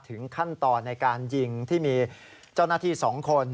ขั้นตอนในการยิงที่มีเจ้าหน้าที่๒คน